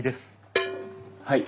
はい。